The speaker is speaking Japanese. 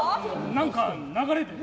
何か流れで。